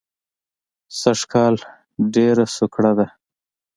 سږ کال ډېره سوکړه ده